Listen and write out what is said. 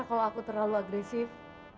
kalau aku terlalu agresif